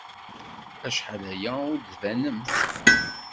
Acḥal aya ur d-tbanemt.